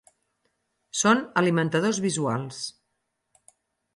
Són alimentadors visuals.